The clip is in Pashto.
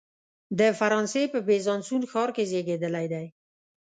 د فرانسې په بیزانسوون ښار کې زیږېدلی دی.